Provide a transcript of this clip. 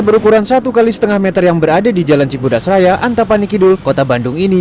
berukuran satu kali setengah meter yang berada di jalan cibudasraya antapanikidul kota bandung